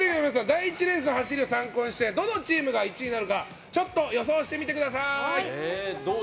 第１レースの走りを参考にしてどのチームが１位になるかちょっと予想してみてください。